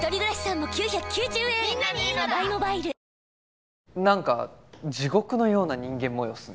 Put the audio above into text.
わかるぞなんか地獄のような人間模様っすね。